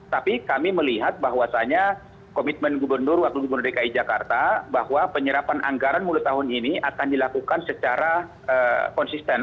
tapi kami melihat bahwasannya komitmen gubernur wakil gubernur dki jakarta bahwa penyerapan anggaran mulai tahun ini akan dilakukan secara konsisten